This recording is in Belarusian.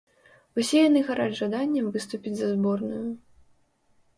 Усе яны гараць жаданнем выступіць за зборную.